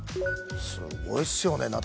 すごいっすよね。